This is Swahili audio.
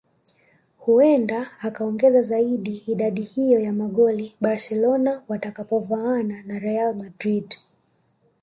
Huenda akaongeza zaidi idadi hiyo ya magoli Barcelona watakapovaana na Real Madrid